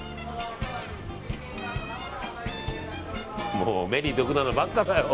もう目に毒なのばっかだよ。